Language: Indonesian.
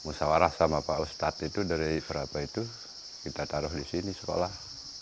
musawarah sama pak ustadz itu dari berapa itu kita taruh di sini sekolah